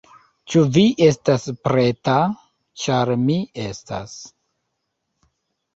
Ĉu vi estas preta? ĉar mi estas